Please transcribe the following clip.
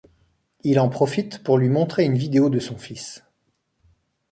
Il en profite pour lui montrer une vidéo de son fils.